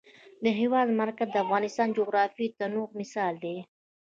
د هېواد مرکز د افغانستان د جغرافیوي تنوع مثال دی.